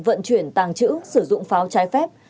vận chuyển tàng trữ sử dụng pháo trái phép